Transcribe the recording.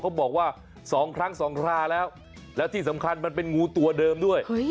บอกว่า๒ครั้ง๒คราแล้วแล้วที่สำคัญมันเป็นงูตัวเดิมด้วย